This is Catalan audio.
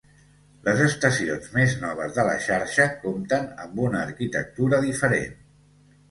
Les estacions més noves de la xarxa compten amb una arquitectura diferent.